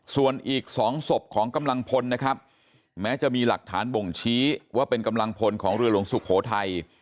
ส่วนอีก๒ศพของกำลังพลนะครับแม้จะมีหลักฐานบ่งชี้ว่าเป็นกำลังพลของเรือหลวงสุโขทัย